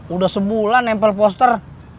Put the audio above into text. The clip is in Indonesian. udah sebulan nempel poster